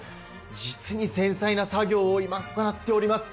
実に繊細な作業を今、行っております。